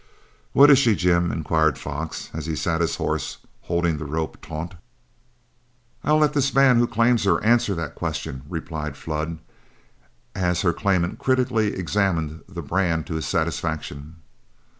"What is she, Jim?" inquired Fox, as he sat his horse holding the rope taut. "I'll let this man who claims her answer that question," replied Flood, as her claimant critically examined the brand to his satisfaction.